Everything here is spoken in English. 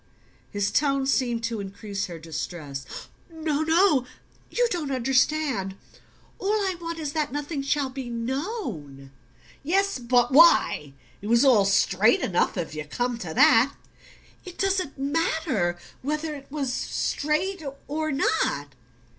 His tone seemed to increase her distress. "No, no you don't understand. All I want is that nothing shall be known." "Yes; but WHY? It was all straight enough, if you come to that." "It doesn't matter ... whether it was straight ... or ... not